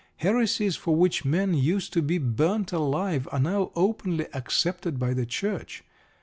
Heresies for which men used to be burned alive are now openly accepted by the Church.